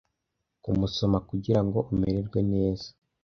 kumusoma kugirango umererwe neza